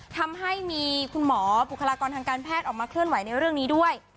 ทำให้มีคุณหมอบุคลากรทางการแพทย์ออกมาเคลื่อนไหวในเรื่องนี้ด้วย